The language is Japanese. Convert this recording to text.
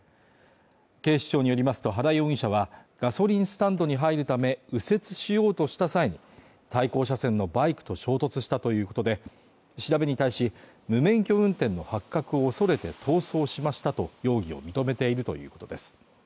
警視庁によりますと原容疑者はガソリンスタンドに入るため右折しようとした際に対向車線のバイクと衝突したということで調べに対し無免許運転の発覚を恐れて逃走しましたと容疑を認めているということです